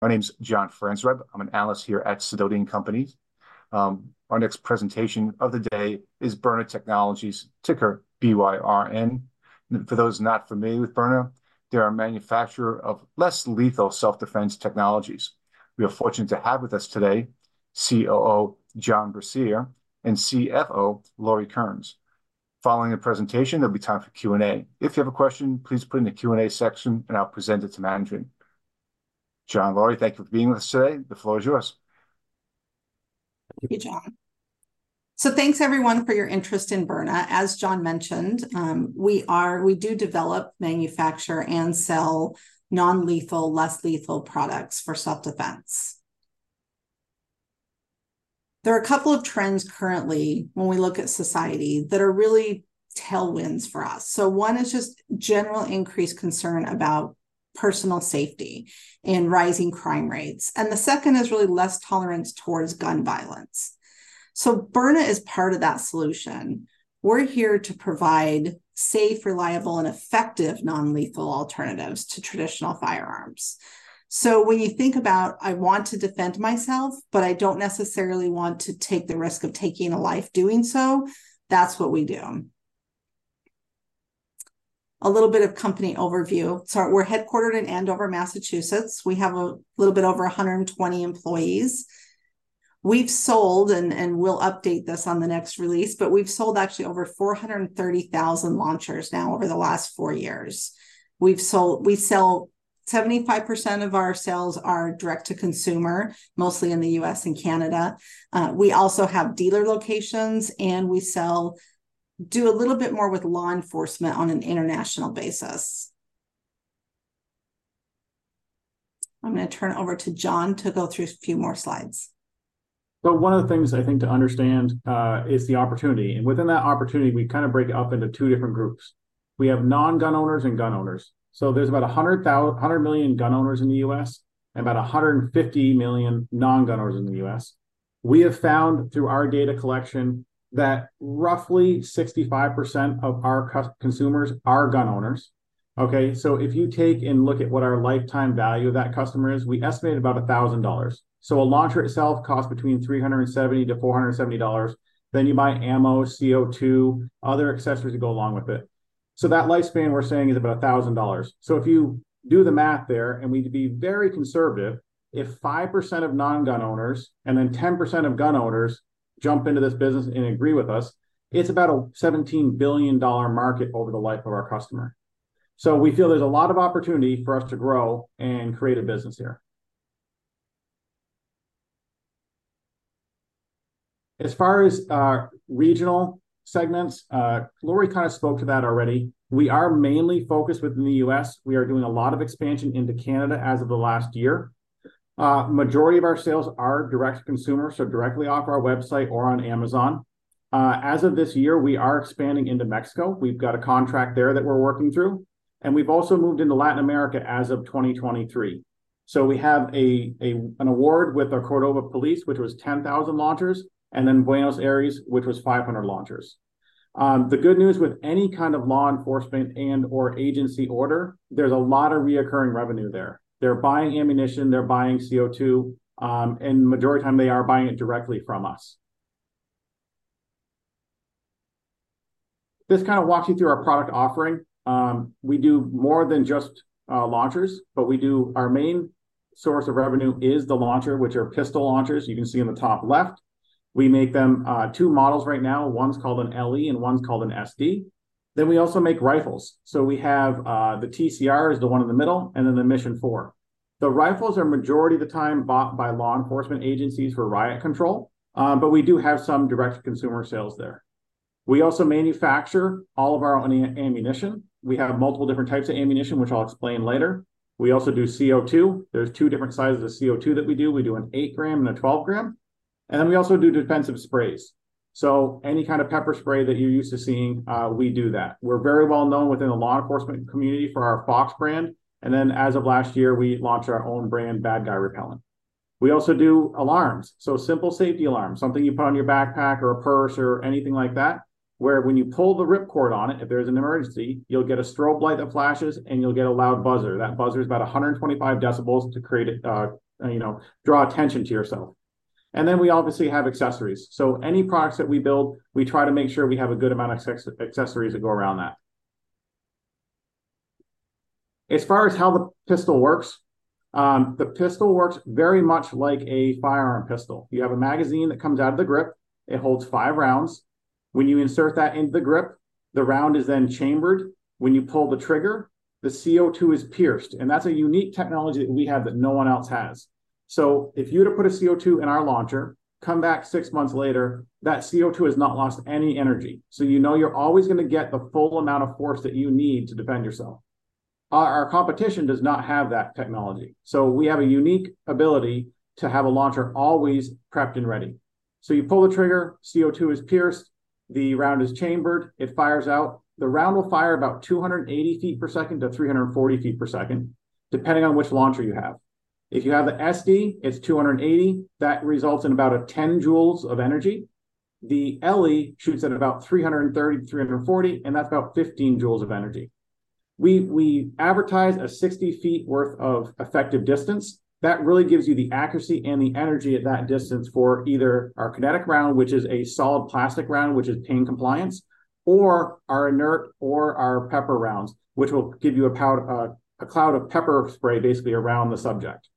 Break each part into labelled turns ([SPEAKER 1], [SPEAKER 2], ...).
[SPEAKER 1] My name's John Franzreb. I'm an analyst here at Sidoti & Company. Our next presentation of the day is Byrna Technologies, ticker BYRN. And for those not familiar with Byrna, they're a manufacturer of less lethal self-defense technologies. We are fortunate to have with us today COO John Brasier and CFO Lori Kearns. Following the presentation, there'll be time for Q&A. If you have a question, please put it in the Q&A section, and I'll present it to management. John, Lori, thank you for being with us today. The floor is yours.
[SPEAKER 2] Thank you, John. So thanks, everyone, for your interest in Byrna. As John mentioned, we do develop, manufacture, and sell non-lethal, less lethal products for self-defense. There are a couple of trends currently when we look at society that are really tailwinds for us. So one is just general increased concern about personal safety and rising crime rates, and the second is really less tolerance towards gun violence. So Byrna is part of that solution. We're here to provide safe, reliable and effective non-lethal alternatives to traditional firearms. So when you think about, "I want to defend myself, but I don't necessarily want to take the risk of taking a life doing so," that's what we do. A little bit of company overview. So we're headquartered in Andover, Massachusetts. We have a little bit over 120 employees. We've sold, and we'll update this on the next release, but we've sold actually over 430,000 launchers now over the last 4 years. We've sold. We sell 75% of our sales are direct to consumer, mostly in the U.S. and Canada. We also have dealer locations, and we sell, do a little bit more with law enforcement on an international basis. I'm gonna turn it over to John to go through a few more slides.
[SPEAKER 3] So one of the things, I think, to understand, is the opportunity, and within that opportunity, we kind of break it up into two different groups. We have non-gun owners and gun owners. So there's about 100 million gun owners in the U.S. and about 150 million non-gun owners in the U.S. We have found, through our data collection, that roughly 65% of our consumers are gun owners, okay? So if you take and look at what our lifetime value of that customer is, we estimate about $1,000. So a launcher itself costs between $370 and $470, then you buy ammo, CO2, other accessories that go along with it. So that lifespan, we're saying, is about $1,000. So if you do the math there, and we'd be very conservative, if 5% of non-gun owners and then 10% of gun owners jump into this business and agree with us, it's about a $17 billion market over the life of our customer. So we feel there's a lot of opportunity for us to grow and create a business here. As far as our regional segments, Lori kind of spoke to that already. We are mainly focused within the U.S. We are doing a lot of expansion into Canada as of the last year. Majority of our sales are direct to consumer, so directly off our website or on Amazon. As of this year, we are expanding into Mexico. We've got a contract there that we're working through, and we've also moved into Latin America as of 2023. So we have an award with the Córdoba police, which was 10,000 launchers, and then Buenos Aires, which was 500 launchers. The good news with any kind of law enforcement and/or agency order, there's a lot of recurring revenue there. They're buying ammunition, they're buying CO2, and majority of the time, they are buying it directly from us. This kind of walks you through our product offering. We do more than just launchers, but we do... Our main source of revenue is the launcher, which are pistol launchers. You can see in the top left. We make two models right now. One's called an LE, and one's called an SD. Then we also make rifles. So we have the TCR is the one in the middle, and then the Mission 4. The rifles are, majority of the time, bought by law enforcement agencies for riot control, but we do have some direct consumer sales there. We also manufacture all of our own ammunition. We have multiple different types of ammunition, which I'll explain later. We also do CO2. There's 2 different sizes of CO2 that we do. We do an 8-gram and a 12-gram, and then we also do defensive sprays. So any kind of pepper spray that you're used to seeing, we do that. We're very well known within the law enforcement community for our Fox brand, and then, as of last year, we launched our own brand, Bad Guy Repellent. We also do alarms, so simple safety alarms, something you put on your backpack or a purse or anything like that, where when you pull the rip cord on it, if there's an emergency, you'll get a strobe light that flashes, and you'll get a loud buzzer. That buzzer is about 125 decibels to create a, you know, draw attention to yourself. Then we obviously have accessories. So any products that we build, we try to make sure we have a good amount of accessories that go around that. As far as how the pistol works, the pistol works very much like a firearm pistol. You have a magazine that comes out of the grip. It holds 5 rounds. When you insert that into the grip, the round is then chambered. When you pull the trigger, the CO2 is pierced, and that's a unique technology that we have that no one else has. So if you were to put a CO2 in our launcher, come back six months later, that CO2 has not lost any energy. So you know you're always gonna get the full amount of force that you need to defend yourself. Our, our competition does not have that technology, so we have a unique ability to have a launcher always prepped and ready. So you pull the trigger, CO2 is pierced, the round is chambered, it fires out. The round will fire about 280-340 feet per second, depending on which launcher you have. If you have the SD, it's 280. That results in about 10 joules of energy. The LE shoots at about 330-340, and that's about 15 joules of energy. We advertise a 60 feet worth of effective distance. That really gives you the accuracy and the energy at that distance for either our kinetic round, which is a solid plastic round, which is pain compliance, or our inert or our pepper rounds, which will give you a cloud of pepper spray basically around the subject.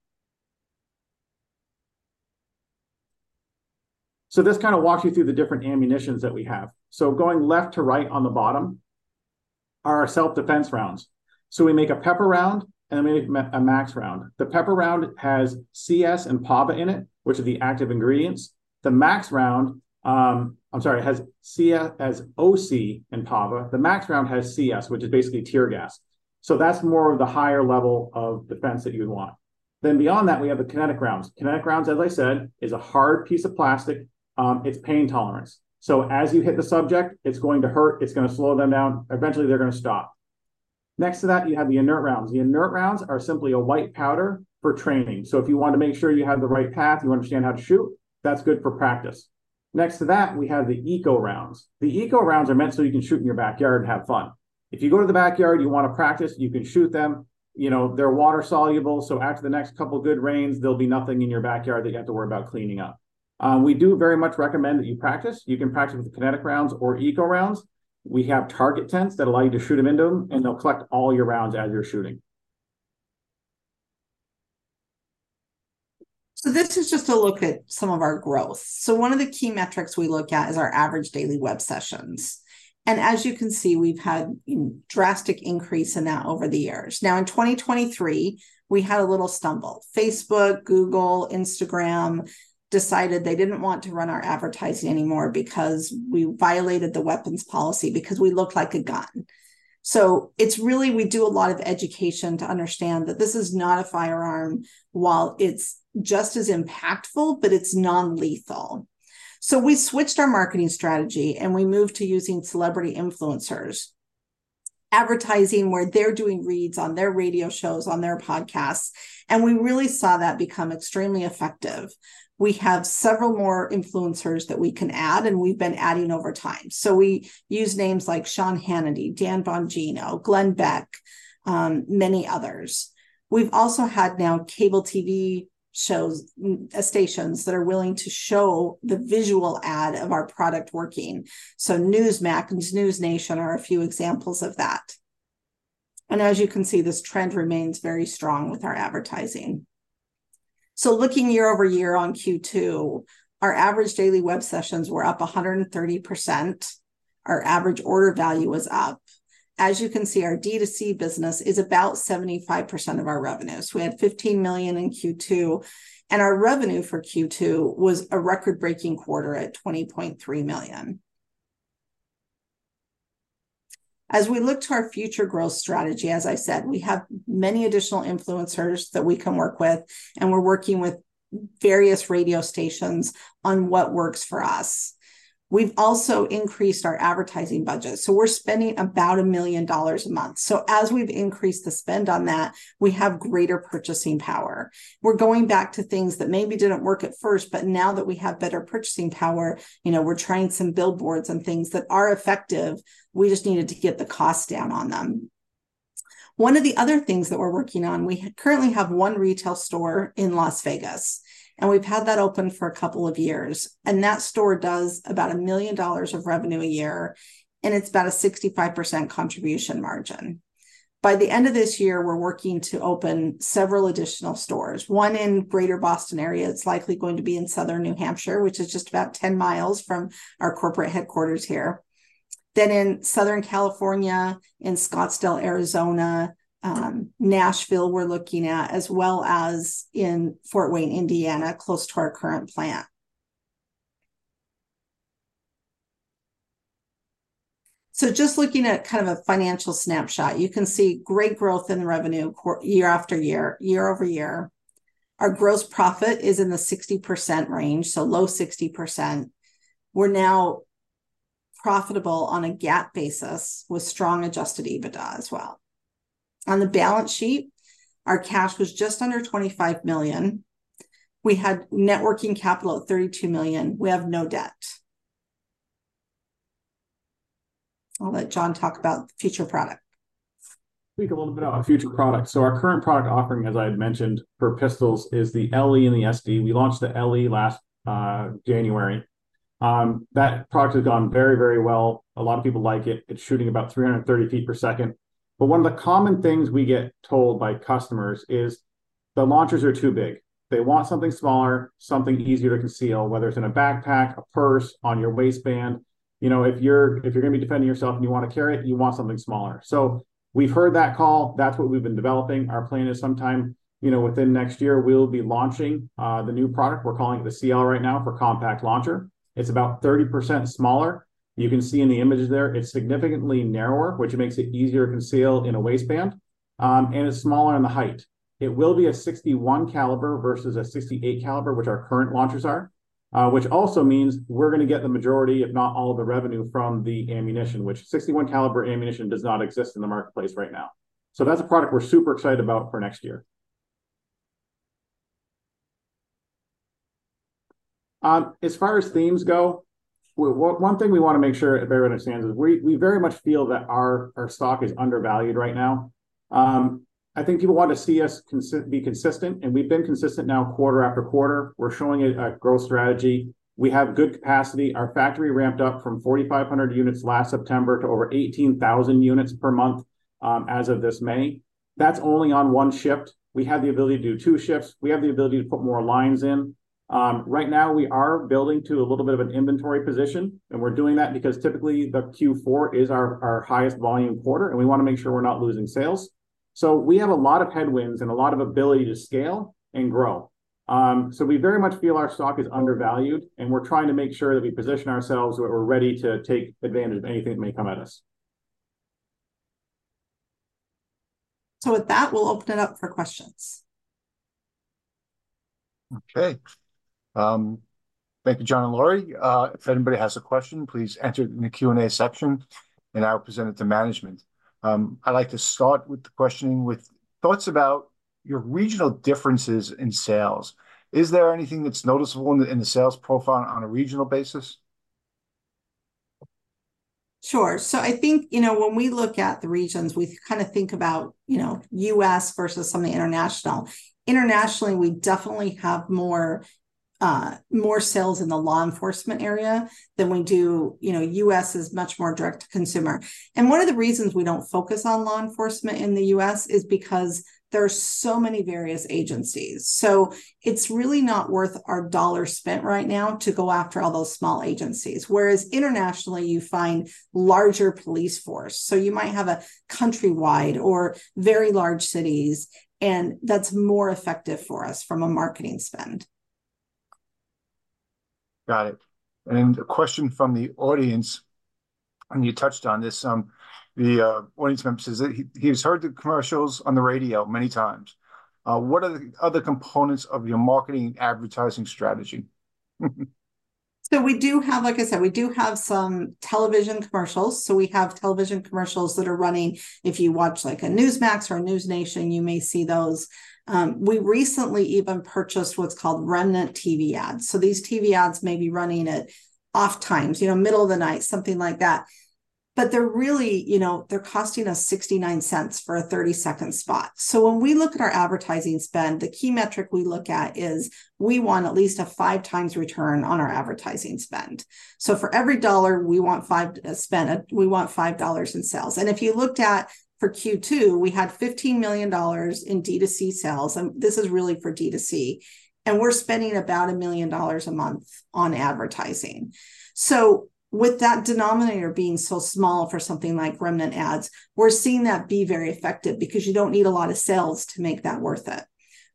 [SPEAKER 3] So this kind of walks you through the different ammunitions that we have. So going left to right on the bottom are our self-defense rounds. So we make a pepper round, and then we make a Max round. The pepper round has CS and PAVA in it, which are the active ingredients. The Max round has OC and PAVA. The Max round has CS, which is basically tear gas, so that's more of the higher level of defense that you would want. Then beyond that, we have the kinetic rounds. Kinetic rounds, as I said, is a hard piece of plastic. It's pain tolerance. So as you hit the subject, it's going to hurt, it's gonna slow them down. Eventually, they're gonna stop. Next to that, you have the inert rounds. The inert rounds are simply a white powder for training. So if you want to make sure you have the right path, you understand how to shoot, that's good for practice. Next to that, we have the Eco rounds. The Eco rounds are meant so you can shoot in your backyard and have fun. If you go to the backyard, you want to practice, you can shoot them. You know, they're water-soluble, so after the next couple of good rains, there'll be nothing in your backyard that you have to worry about cleaning up. We do very much recommend that you practice. You can practice with the kinetic rounds or Eco rounds. We have target tents that allow you to shoot them into them, and they'll collect all your rounds as you're shooting.
[SPEAKER 2] This is just a look at some of our growth. One of the key metrics we look at is our average daily web sessions, and as you can see, we've had drastic increase in that over the years. Now, in 2023, we had a little stumble. Facebook, Google, Instagram decided they didn't want to run our advertising anymore because we violated the weapons policy because we looked like a gun. It's really we do a lot of education to understand that this is not a firearm while it's just as impactful, but it's non-lethal. We switched our marketing strategy, and we moved to using celebrity influencers, advertising where they're doing reads on their radio shows, on their podcasts, and we really saw that become extremely effective. We have several more influencers that we can add, and we've been adding over time. So we use names like Sean Hannity, Dan Bongino, Glenn Beck, many others. We've also had now cable TV shows, stations that are willing to show the visual ad of our product working, so Newsmax, NewsNation are a few examples of that. And as you can see, this trend remains very strong with our advertising. So looking year-over-year on Q2, our average daily web sessions were up 130%. Our average order value was up. As you can see, our D2C business is about 75% of our revenues. We had $15 million in Q2, and our revenue for Q2 was a record-breaking quarter at $20.3 million. As we look to our future growth strategy, as I said, we have many additional influencers that we can work with, and we're working with various radio stations on what works for us. We've also increased our advertising budget, so we're spending about $1 million a month. So as we've increased the spend on that, we have greater purchasing power. We're going back to things that maybe didn't work at first, but now that we have better purchasing power, you know, we're trying some billboards and things that are effective. We just needed to get the cost down on them. One of the other things that we're working on, we currently have one retail store in Las Vegas, and we've had that open for a couple of years, and that store does about $1 million of revenue a year, and it's about a 65% contribution margin. By the end of this year, we're working to open several additional stores, one in greater Boston area. It's likely going to be in Southern New Hampshire, which is just about 10 miles from our corporate headquarters here. In Southern California, in Scottsdale, Arizona, Nashville, we're looking at, as well as in Fort Wayne, Indiana, close to our current plant. Just looking at kind of a financial snapshot, you can see great growth in the revenue year after year, year-over-year. Our gross profit is in the 60% range, so low 60%. We're now profitable on a GAAP basis with strong adjusted EBITDA as well. On the balance sheet, our cash was just under $25 million. We had net working capital at $32 million. We have no debt. I'll let John talk about future product.
[SPEAKER 3] Speak a little bit about our future product. So our current product offering, as I had mentioned, for pistols, is the LE and the SD. We launched the LE last January. That product has gone very, very well. A lot of people like it. It's shooting about 330 feet per second. But one of the common things we get told by customers is the launchers are too big. They want something smaller, something easier to conceal, whether it's in a backpack, a purse, on your waistband. You know, if you're, if you're gonna be defending yourself and you want to carry it, you want something smaller. So we've heard that call. That's what we've been developing. Our plan is sometime, you know, within next year, we'll be launching the new product. We're calling it the CL right now, for Compact Launcher. It's about 30% smaller. You can see in the image there, it's significantly narrower, which makes it easier to conceal in a waistband, and it's smaller in the height. It will be a .61 caliber versus a .68 caliber, which our current launchers are, which also means we're gonna get the majority, if not all, of the revenue from the ammunition, which .61 caliber ammunition does not exist in the marketplace right now. So that's a product we're super excited about for next year. As far as themes go, one thing we want to make sure everybody understands is we very much feel that our stock is undervalued right now. I think people want to see us be consistent, and we've been consistent now quarter after quarter. We're showing a growth strategy. We have good capacity. Our factory ramped up from 4,500 units last September to over 18,000 units per month, as of this May. That's only on one shift. We have the ability to do two shifts. We have the ability to put more lines in. Right now we are building to a little bit of an inventory position, and we're doing that because typically the Q4 is our highest volume quarter, and we want to make sure we're not losing sales. So we have a lot of headwinds and a lot of ability to scale and grow. So we very much feel our stock is undervalued, and we're trying to make sure that we position ourselves where we're ready to take advantage of anything that may come at us.
[SPEAKER 2] With that, we'll open it up for questions.
[SPEAKER 1] Okay. Thank you, John and Lori. If anybody has a question, please enter it in the Q&A section, and I will present it to management. I'd like to start with the questioning with thoughts about your regional differences in sales. Is there anything that's noticeable in the sales profile on a regional basis?
[SPEAKER 2] Sure. So I think, you know, when we look at the regions, we kind of think about, you know, U.S. versus on the international. Internationally, we definitely have more, more sales in the law enforcement area than we do. You know, U.S. is much more direct to consumer. And one of the reasons we don't focus on law enforcement in the U.S. is because there are so many various agencies. So it's really not worth our dollar spent right now to go after all those small agencies, whereas internationally, you find larger police force. So you might have a countrywide or very large cities, and that's more effective for us from a marketing spend.
[SPEAKER 1] Got it. And a question from the audience, and you touched on this. The audience member says that he's heard the commercials on the radio many times. What are the other components of your marketing and advertising strategy?
[SPEAKER 2] So we do have. Like I said, we do have some television commercials. So we have television commercials that are running. If you watch, like, a Newsmax or a NewsNation, you may see those. We recently even purchased what's called remnant TV ads. So these TV ads may be running at off times, you know, middle of the night, something like that. But they're really. You know, they're costing us $0.69 for a 30-second spot. So when we look at our advertising spend, the key metric we look at is we want at least a 5 times return on our advertising spend. So for every dollar, we want 5 spent, we want $5 in sales. And if you looked at for Q2, we had $15 million in D2C sales, and this is really for D2C, and we're spending about $1 million a month on advertising. So with that denominator being so small for something like remnant ads, we're seeing that be very effective because you don't need a lot of sales to make that worth it.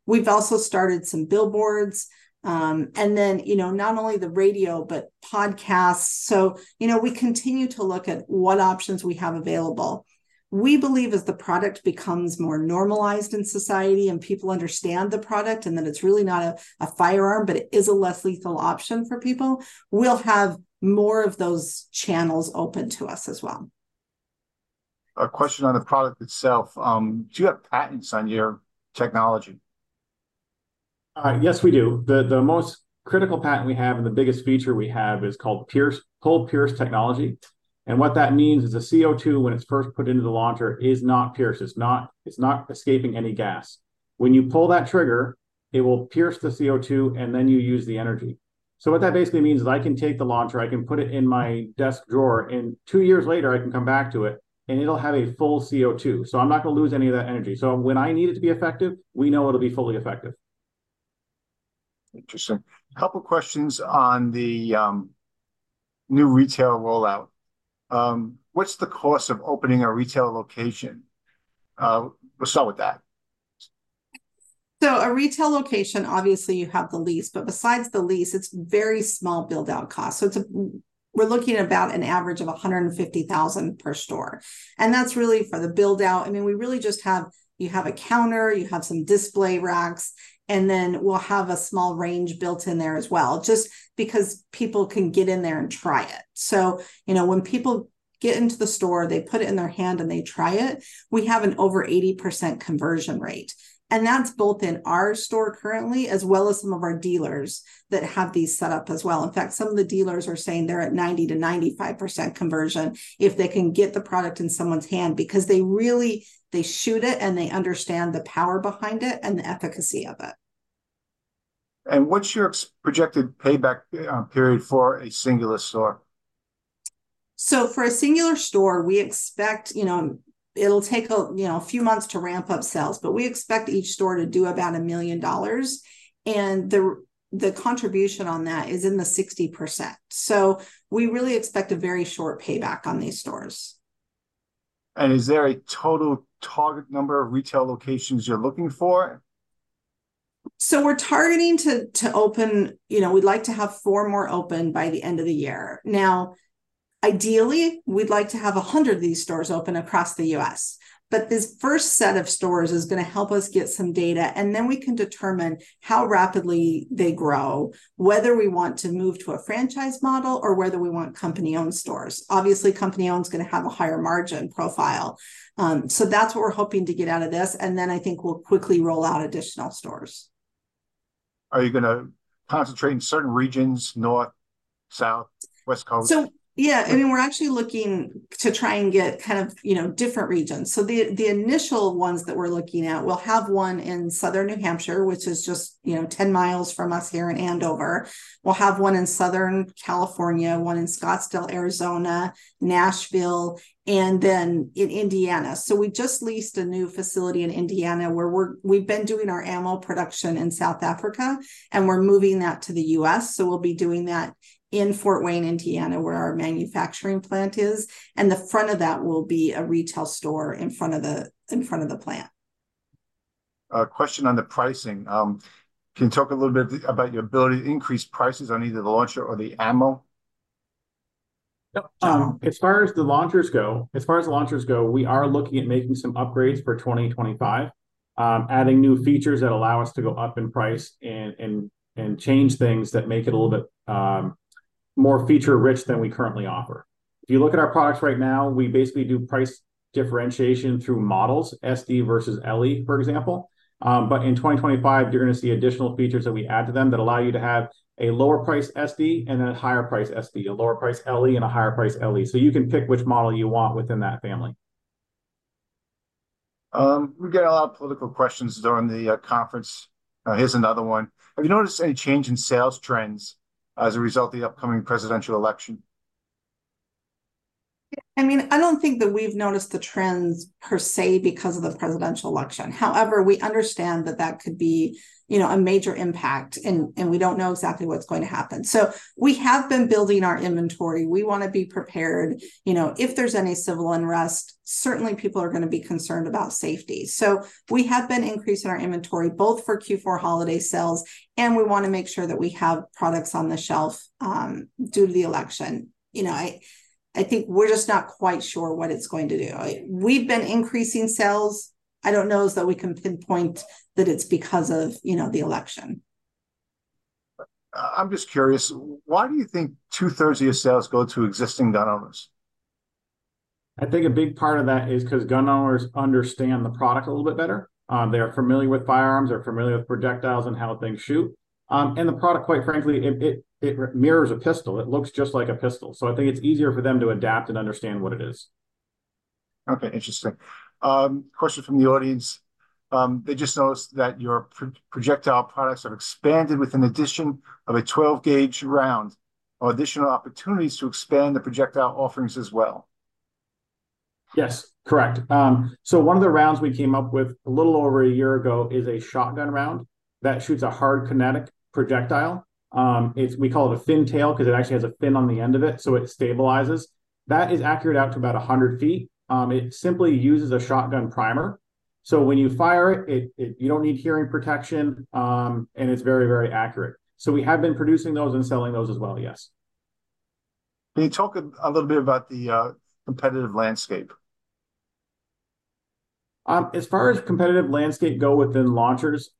[SPEAKER 2] We've also started some billboards, and then, you know, not only the radio, but podcasts. So, you know, we continue to look at what options we have available. We believe as the product becomes more normalized in society and people understand the product, and that it's really not a firearm, but it is a less lethal option for people, we'll have more of those channels open to us as well.
[SPEAKER 1] A question on the product itself. Do you have patents on your technology?
[SPEAKER 3] Yes, we do. The most critical patent we have, and the biggest feature we have is called Pull-to-Pierce technology, and what that means is the CO2, when it's first put into the launcher, is not pierced. It's not escaping any gas. When you pull that trigger, it will pierce the CO2, and then you use the energy. So what that basically means is I can take the launcher, I can put it in my desk drawer, and two years later, I can come back to it, and it'll have a full CO2. So I'm not gonna lose any of that energy. So when I need it to be effective, we know it'll be fully effective. Interesting. A couple questions on the new retail rollout. What's the cost of opening a retail location? We'll start with that.
[SPEAKER 2] So a retail location, obviously, you have the lease, but besides the lease, it's a very small build-out cost. So it's a very small build-out cost. We're looking at about an average of $150,000 per store, and that's really for the build-out. I mean, we really just have... You have a counter, you have some display racks, and then we'll have a small range built in there as well, just because people can get in there and try it. So, you know, when people get into the store, they put it in their hand, and they try it, we have over an 80% conversion rate, and that's both in our store currently, as well as some of our dealers that have these set up as well. In fact, some of the dealers are saying they're at 90%-95% conversion if they can get the product in someone's hand. Because they really... They shoot it, and they understand the power behind it and the efficacy of it.
[SPEAKER 1] What's your projected payback period for a singular store?
[SPEAKER 2] So for a singular store, we expect, you know, it'll take a, you know, few months to ramp up sales, but we expect each store to do about $1 million, and the contribution on that is in the 60%. So we really expect a very short payback on these stores.
[SPEAKER 1] Is there a total target number of retail locations you're looking for?
[SPEAKER 2] We're targeting to open. You know, we'd like to have four more open by the end of the year. Now, ideally, we'd like to have 100 of these stores open across the U.S., but this first set of stores is gonna help us get some data, and then we can determine how rapidly they grow, whether we want to move to a franchise model or whether we want company-owned stores. Obviously, company-owned is gonna have a higher margin profile. So that's what we're hoping to get out of this, and then I think we'll quickly roll out additional stores.
[SPEAKER 1] Are you gonna concentrate in certain regions, north, south, West Coast?
[SPEAKER 2] So, yeah, I mean, we're actually looking to try and get kind of, you know, different regions. The initial ones that we're looking at, we'll have one in Southern New Hampshire, which is just, you know, 10 miles from us here in Andover. We'll have one in Southern California, one in Scottsdale, Arizona, Nashville, and then in Indiana. So we just leased a new facility in Indiana, where we've been doing our ammo production in South Africa, and we're moving that to the US, so we'll be doing that in Fort Wayne, Indiana, where our manufacturing plant is. The front of that will be a retail store in front of the plant.
[SPEAKER 1] A question on the pricing. Can you talk a little bit about your ability to increase prices on either the launcher or the ammo?
[SPEAKER 3] Yep. As far as the launchers go, we are looking at making some upgrades for 2025, adding new features that allow us to go up in price and change things that make it a little bit more feature-rich than we currently offer. If you look at our products right now, we basically do price differentiation through models, SD versus LE, for example. But in 2025, you're going to see additional features that we add to them that allow you to have a lower price SD and then a higher price SD, a lower price LE, and a higher price LE. So you can pick which model you want within that family.
[SPEAKER 1] We get a lot of political questions during the conference. Here's another one: Have you noticed any change in sales trends as a result of the upcoming presidential election?
[SPEAKER 2] I mean, I don't think that we've noticed the trends per se, because of the presidential election. However, we understand that that could be, you know, a major impact, and we don't know exactly what's going to happen. So we have been building our inventory. We want to be prepared. You know, if there's any civil unrest, certainly people are going to be concerned about safety. So we have been increasing our inventory both for Q4 holiday sales, and we want to make sure that we have products on the shelf, due to the election. You know, I think we're just not quite sure what it's going to do. We've been increasing sales. I don't know that we can pinpoint that it's because of, you know, the election.
[SPEAKER 1] I'm just curious, why do you think two-thirds of your sales go to existing gun owners?
[SPEAKER 3] I think a big part of that is because gun owners understand the product a little bit better. They are familiar with firearms, they're familiar with projectiles and how things shoot. And the product, quite frankly, it mirrors a pistol. It looks just like a pistol, so I think it's easier for them to adapt and understand what it is.
[SPEAKER 1] Okay, interesting. Question from the audience, they just noticed that your projectile products have expanded with an addition of a 12-gauge round. Are additional opportunities to expand the projectile offerings as well?
[SPEAKER 3] Yes, correct. So one of the rounds we came up with a little over a year ago is a shotgun round that shoots a hard kinetic projectile. It's we call it a fin tail because it actually has a fin on the end of it, so it stabilizes. That is accurate out to about 100 feet. It simply uses a shotgun primer, so when you fire it, you don't need hearing protection, and it's very, very accurate. So we have been producing those and selling those as well, yes.
[SPEAKER 1] Can you talk a little bit about the competitive landscape?
[SPEAKER 3] As far as competitive landscape go within launchers,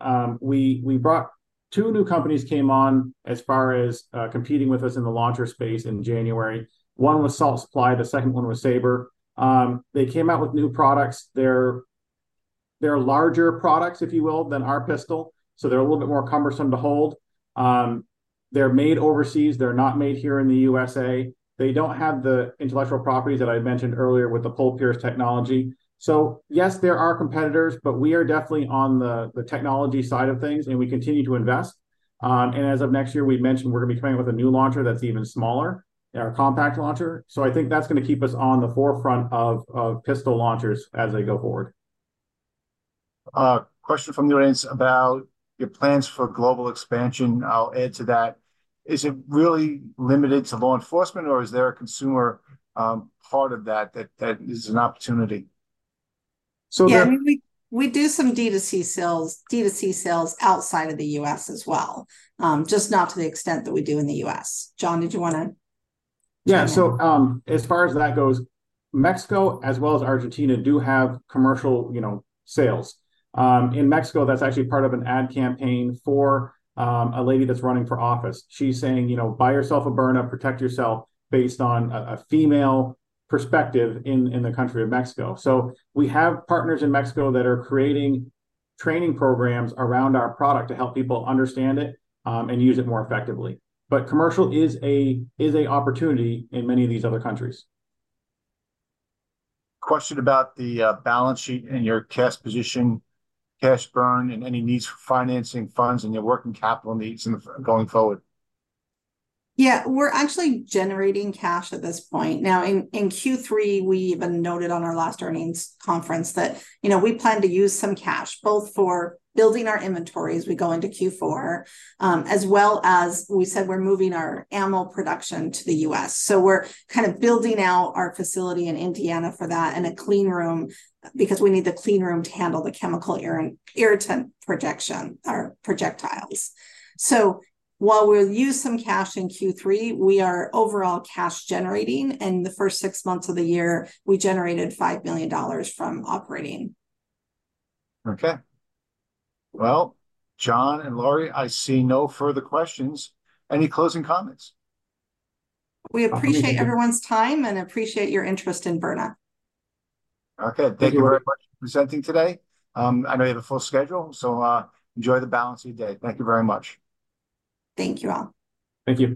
[SPEAKER 3] two new companies came on as far as competing with us in the launcher space in January. One was Salt Supply, the second one was SABRE. They came out with new products. They're larger products, if you will, than our pistol, so they're a little bit more cumbersome to hold. They're made overseas, they're not made here in the USA. They don't have the intellectual properties that I mentioned earlier with the Pull-to-Pierce technology. So yes, there are competitors, but we are definitely on the technology side of things, and we continue to invest. And as of next year, we've mentioned we're going to be coming out with a new launcher that's even smaller, a compact launcher. I think that's going to keep us on the forefront of pistol launchers as they go forward.
[SPEAKER 1] Question from the audience about your plans for global expansion. I'll add to that. Is it really limited to law enforcement, or is there a consumer part of that that is an opportunity?
[SPEAKER 3] So there.
[SPEAKER 2] Yeah, we, we do some D2C sales, D2C sales outside of the U.S. as well, just not to the extent that we do in the U.S. John, did you want to chime in?
[SPEAKER 3] Yeah. So, as far as that goes, Mexico, as well as Argentina, do have commercial, you know, sales. In Mexico, that's actually part of an ad campaign for a lady that's running for office. She's saying, you know, "Buy yourself a Byrna, protect yourself," based on a female perspective in the country of Mexico. So we have partners in Mexico that are creating training programs around our product to help people understand it and use it more effectively. But commercial is an opportunity in many of these other countries.
[SPEAKER 1] Question about the balance sheet and your cash position, cash burn, and any needs for financing funds, and your working capital needs in the going forward.
[SPEAKER 2] Yeah, we're actually generating cash at this point. Now, in Q3, we even noted on our last earnings conference that, you know, we plan to use some cash, both for building our inventory as we go into Q4, as well as we said we're moving our ammo production to the U.S. So we're kind of building out our facility in Indiana for that, and a clean room, because we need the clean room to handle the chemical irritant projectiles. So while we'll use some cash in Q3, we are overall cash generating, and the first six months of the year, we generated $5 million from operating.
[SPEAKER 1] Okay. Well, John and Lori, I see no further questions. Any closing comments?
[SPEAKER 2] We appreciate.
[SPEAKER 3] For me.
[SPEAKER 2] Everyone's time and appreciate your interest in Byrna.
[SPEAKER 1] Okay.
[SPEAKER 3] Thank you very much
[SPEAKER 1] Thank you for presenting today. I know you have a full schedule, so, enjoy the balance of your day. Thank you very much.
[SPEAKER 2] Thank you, all.
[SPEAKER 3] Thank you.